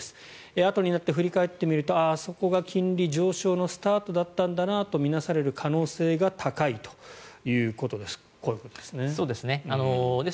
あとになって振り返ってみるとあそこが金利上昇のスタートだったんだなと見なされる可能性が高いということです。